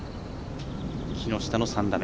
木下の３打目。